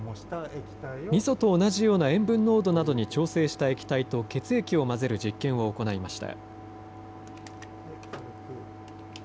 みそと同じような塩分濃度などに調製した液体と血液を混ぜる実験を行いました。